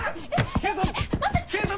警察！